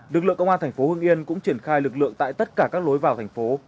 lực lượng công an thành phố hưng yên cũng triển khai lực lượng tại tất cả các lối vào thành phố